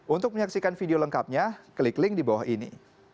untuk menyaksikan video lengkapnya klik link di bawah ini